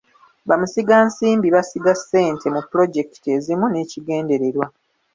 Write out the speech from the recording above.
Bamusigansimbi basiga ssente mu pulojekiti ezimu n'ekigendererwa.